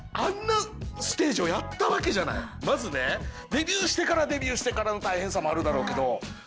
デビューしてからはデビューしてからの大変さもあるだろうけど。